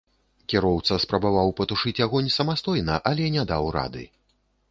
Кіроўца спрабаваў патушыць агонь самастойна, але не даў рады.